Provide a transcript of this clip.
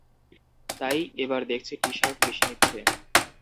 তাই এবার দেখছি টি শার্ট বেশি নিচ্ছে।